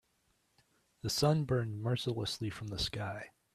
The sun burned mercilessly from the sky.